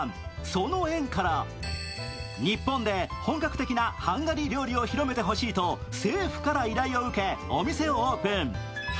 その縁から、日本で本格的なハンガリー料理を広めてほしいと政府から依頼を受けお店をオープン。